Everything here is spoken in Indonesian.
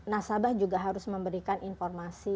nasabah juga harus memberikan informasi